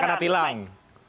kita kena tilang